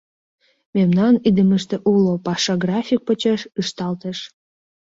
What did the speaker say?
Мемнан идымыште уло паша график почеш ышталтеш.